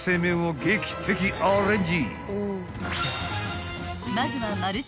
［劇的アレンジ］